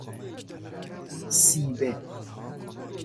ثیبه